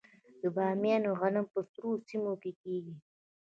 د بامیان غنم په سړو سیمو کې کیږي.